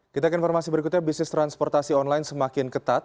kita ke informasi berikutnya bisnis transportasi online semakin ketat